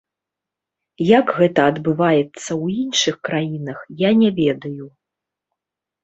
Як гэта адбываецца ў іншых краінах, я не ведаю.